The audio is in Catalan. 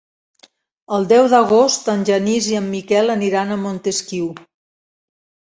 El deu d'agost en Genís i en Miquel aniran a Montesquiu.